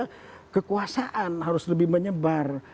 jadi kekuasaan harus lebih menyebar